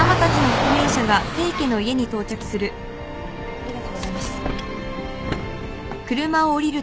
ありがとうございます。